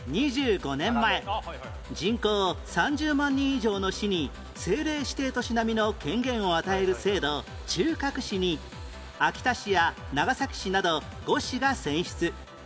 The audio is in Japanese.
２５年前人口３０万人以上の市に政令指定都市並みの権限を与える制度中核市に秋田市や長崎市など５市が選出